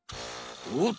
おっ！